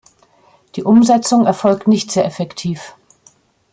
Die Umsetzung erfolgt nicht sehr effektiv.